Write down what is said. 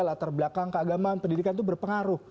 latar belakang keagamaan pendidikan itu berpengaruh